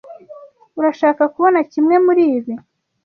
Urashaka kubona kimwe muri ibi?